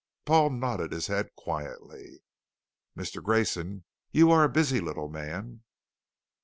Paul nodded his head quietly. "Mister Grayson, you are a busy little man."